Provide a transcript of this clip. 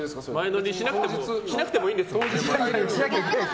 しなくてもいいんですか？